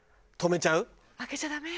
止めちゃう？